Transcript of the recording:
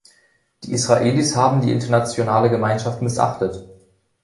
Die Israelis haben die internationale Gemeinschaft missachtet.